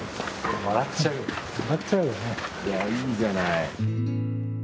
いやいいじゃない。